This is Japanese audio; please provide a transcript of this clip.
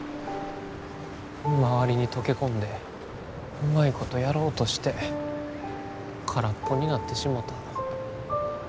周りに溶け込んでうまいことやろうとして空っぽになってしもた。